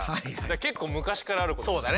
結構昔からあることですよね。